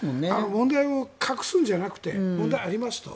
問題を隠すんじゃなくて問題がありますと。